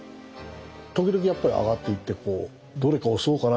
時々やっぱり上がっていってどれか押そうかなみたいな。